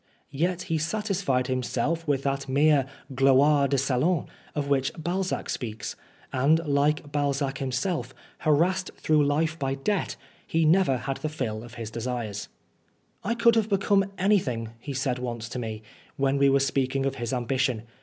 Yet he satisfied himself with that mere gloire de salon of which Balzac speaks ; and like Balzac himself, harassed throughout life by debt, he never had the fill of his desires. " I could have become anything," he said once to me, when we were speaking of his ambition.